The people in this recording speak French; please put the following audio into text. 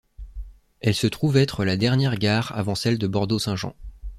Elle se trouve être la dernière gare avant celle de Bordeaux-Saint-Jean.